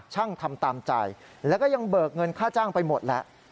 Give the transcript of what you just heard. ทำตามใจแล้วก็ยังเบิกเงินค่าจ้างไปหมดแล้ว